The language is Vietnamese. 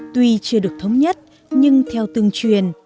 tuy chưa được thống nhất nhưng theo từng truyền